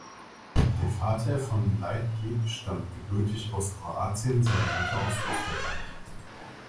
Der Vater von Leitgeb stammt gebürtig aus Kroatien, seine Mutter aus Österreich.